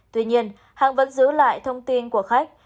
tuy nhiên hàng vẫn giữ lại thông tin của khách